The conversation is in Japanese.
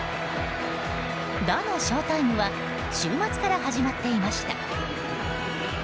打のショウタイムは週末から始まっていました。